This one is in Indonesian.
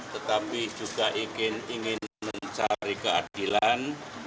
tetapi juga ingin mencari keadilan